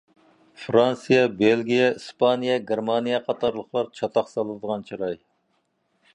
فىرانسىيە، بېلگىيە، ئىسپانىيە، گېرمانىيە قاتارلىقلار چاتاق سالىدىغان چىراي.